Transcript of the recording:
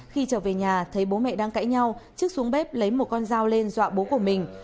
khi trở về nhà thấy bố mẹ đang cãi nhau trước xuống bếp lấy một con dao lên dọa bố của mình